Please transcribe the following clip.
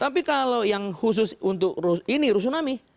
tapi kalau yang khusus untuk ini rusunami